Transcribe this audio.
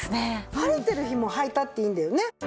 晴れてる日も履いたっていいんだよね。